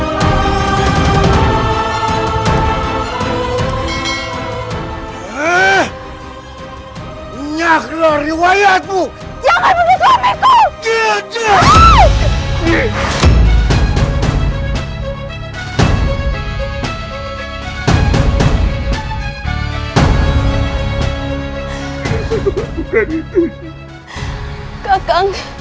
hai eh nyaklah riwayatmu jangan bunuh suamiku